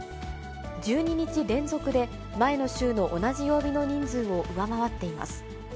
１２日連続で前の週の同じ曜日の人数を上回っています。